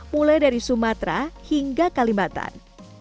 mulai dari sumatera hingga kalimantan